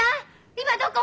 今どこ？